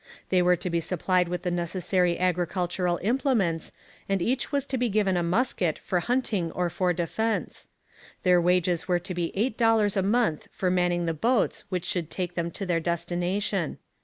They were to be supplied with the necessary agricultural implements, and each was to be given a musket for hunting or for defence. Their wages were to be eight dollars a month for manning the boats which should take them to their destination.